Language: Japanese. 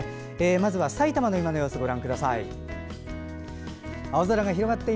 まずは、さいたまの今の様子ご覧ください。